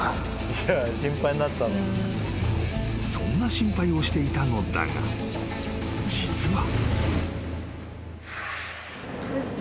［そんな心配をしていたのだが実は］